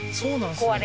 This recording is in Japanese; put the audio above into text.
壊れ